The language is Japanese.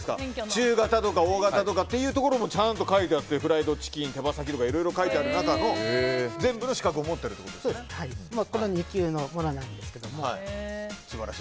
中型とか大型とかのところちゃんと書いてあってフライドチキン手羽先とか、いろいろ書いてある中の全部の資格をこれは２級のものなんですが。